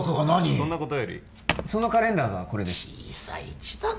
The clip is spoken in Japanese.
そんなことよりそのカレンダーがこれです小さい字だ